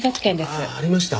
ああありました？